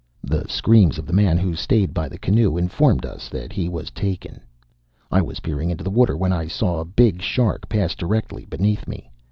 The screams of the man who stayed by the canoe informed us that he was taken. I was peering into the water when I saw a big shark pass directly beneath me.